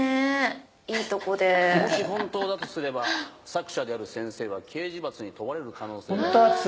もし本当だとすれば作者である先生は刑事罰に問われる可能性があります。